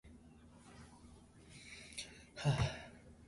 Rossington is an avid fan of the Jacksonville Jaguars.